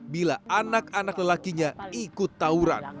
bila anak anak lelakinya ikut tauran